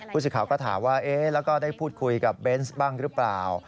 ผู้สื่อข่าวก็ถามว่าแล้วก็ได้พูดคุยกับเบนส์บ้างหรือเปล่า